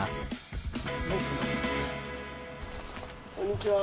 こんにちは。